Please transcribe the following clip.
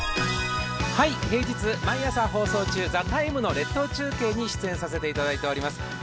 平日毎朝放送中、「ＴＨＥＴＩＭＥ，」の列島中継に出演させていただいています。